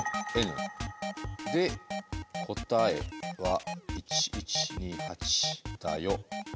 で「答えは１１２８だよ」。